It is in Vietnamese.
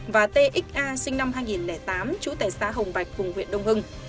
và txa sinh năm hai nghìn tám chú tẻ xá hồng bạch huyện đông hưng